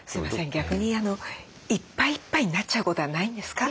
逆にいっぱいいっぱいになっちゃうことはないんですか？